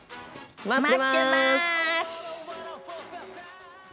待ってます！